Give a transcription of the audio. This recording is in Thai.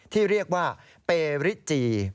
ที่เรียกว่าเปริจี